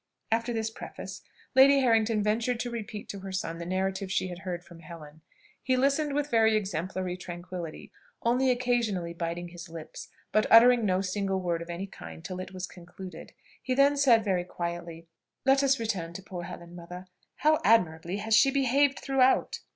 After this preface, Lady Harrington ventured to repeat to her son the narrative she had heard from Helen. He listened with very exemplary tranquillity, only occasionally biting his lips, but uttering no single word of any kind till it was concluded. He then said very quietly, "Let us return to poor Helen, mother. How admirably has she behaved throughout!"